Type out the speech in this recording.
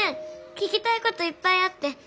聞きたいこといっぱいあって。